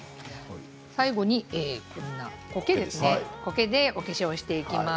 最後にこけでお化粧をしていきます。